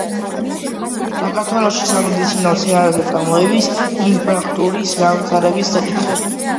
საქართველოში სამედიცინო მცენარეთა წარმოების ინფრასტრუქტურის განვითარების საკითხები.